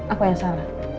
aku yang salah